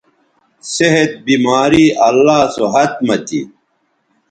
صحت، بیماری اللہ سو ھت مہ تھی